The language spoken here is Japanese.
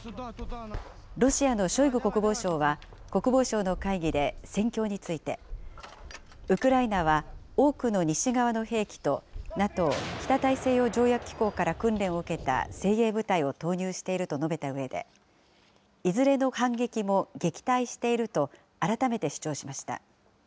ロシアのショイグ国防相は、国防省の会議で戦況について、ウクライナは多くの西側の兵器とＮＡＴＯ・北大西洋条約機構から訓練を受けた精鋭部隊を投入していると述べたうえで、いずれの反撃も撃退していると、改めて主張しました。